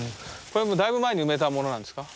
これもだいぶ前に埋めたものなんですか？